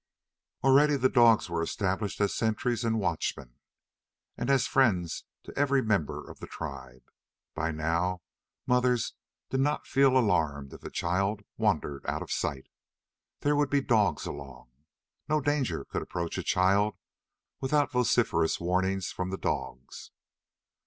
Already the dogs were established as sentries and watchmen, and as friends to every member of the tribe. By now mothers did not feel alarmed if a child wandered out of sight. There would be dogs along. No danger could approach a child without vociferous warning from the dogs.